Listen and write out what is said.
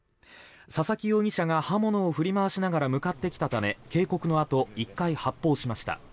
佐々木容疑者が刃物を振り回しながら向かってきたため警告の後、１回発砲しました。